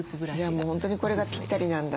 じゃあもう本当にこれがぴったりなんだ。